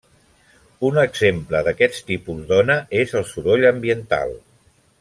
Un exemple d'aquest tipus d'ona és el soroll ambiental.